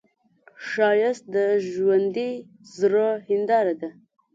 ښایست د ژوندي زړه هنداره ده